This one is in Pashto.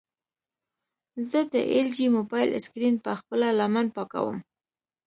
زه د ایل جي موبایل سکرین په خپله لمن پاکوم.